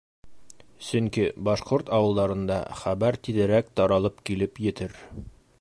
Сөнки башҡорт ауылдарында хәбәр тиҙерәк таралып килеп етер.